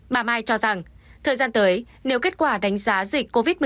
bà mai cho rằng thời gian tới nếu kết quả đánh giá dịch covid một mươi chín